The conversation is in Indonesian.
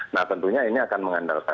nah tentunya ini akan mengandalkan